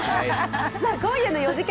今夜の４時間